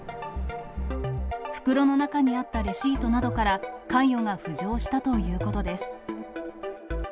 袋の中にあったレシートなどから、関与が浮上したということです。